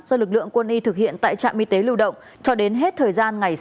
do lực lượng quân y thực hiện tại trạm y tế lưu động cho đến hết thời gian ngày sáu tháng chín